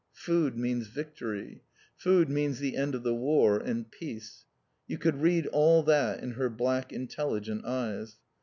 Food means victory. Food means the end of the War, and PEACE. You could read all that in her black, intelligent eyes.